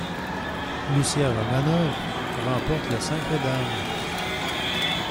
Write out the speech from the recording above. Lucia Romanov remporte le simple dames.